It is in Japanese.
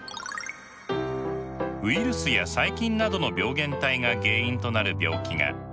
ウイルスや細菌などの病原体が原因となる病気が感染症です。